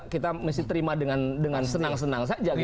kita mesti terima dengan senang senang saja